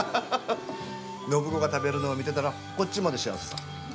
暢子が食べるのを見てたらこっちまで幸せさぁ。